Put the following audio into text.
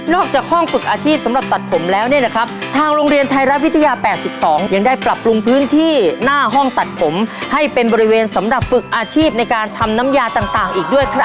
อกจากห้องฝึกอาชีพสำหรับตัดผมแล้วเนี่ยนะครับทางโรงเรียนไทยรัฐวิทยา๘๒ยังได้ปรับปรุงพื้นที่หน้าห้องตัดผมให้เป็นบริเวณสำหรับฝึกอาชีพในการทำน้ำยาต่างอีกด้วยครับ